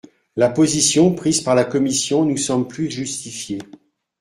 La position prise par la commission nous semble plus justifiée.